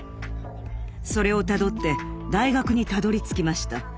それをたどって大学にたどりつきました。